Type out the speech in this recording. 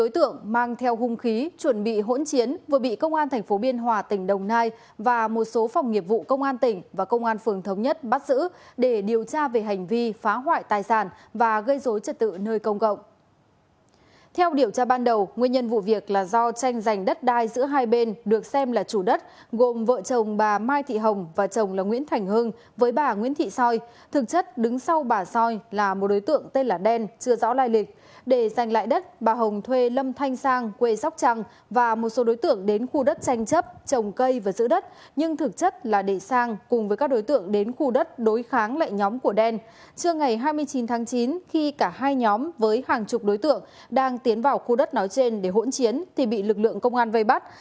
trưa ngày hai mươi chín tháng chín khi cả hai nhóm với hàng chục đối tượng đang tiến vào khu đất nói trên để hỗn chiến thì bị lực lượng công an vây bắt